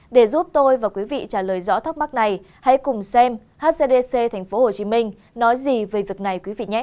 để giúp tôi và quý vị trả lời rõ thắc mắc này hãy cùng xem hcdc tp hcm nói gì về việc này